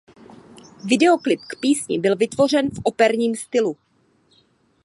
Videoklip k písni byl vytvořen v „operním stylu“.